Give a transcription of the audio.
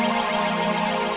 sempen beban about